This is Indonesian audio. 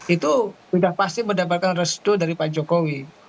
itu sudah pasti mendapatkan restu dari pak jokowi